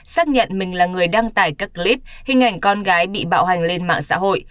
xác nhận mình là người đăng tải các clip hình ảnh con gái bị bạo hành lên mạng xã hội